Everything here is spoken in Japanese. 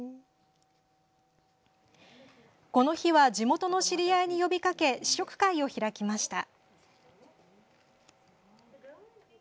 この日は地元の知り合いに呼びかけ、試食会を開きました。